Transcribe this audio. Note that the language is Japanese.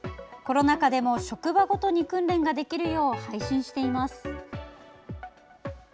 コロナ禍でも、職場ごとに訓練ができるよう配信しています。